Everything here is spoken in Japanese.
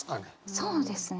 そうですね。